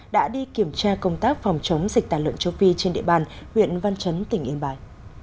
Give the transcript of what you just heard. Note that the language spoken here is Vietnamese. đã đi kiểm tra công tác phòng chống dịch tả lợn châu phi trên địa bàn huyện văn chấn tỉnh yên bái